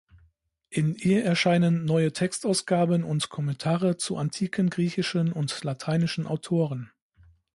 In ihr erscheinen neue Textausgaben und Kommentare zu antiken griechischen und lateinischen Autoren.